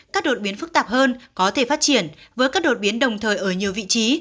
các đột biến phức tạp hơn có thể phát triển với các đột biến đồng thời ở nhiều vị trí